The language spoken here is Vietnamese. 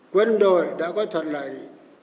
quân đội đã có thuận lợi